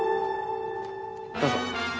どうぞ。